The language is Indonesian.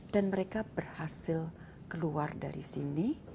dan mereka berhasil keluar dari sini